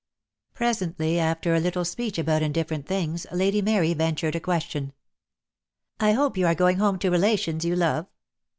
Presently, after a little speech about indifferent things, Lady Mary ventured a question. "I hope you are going home to relations you love?"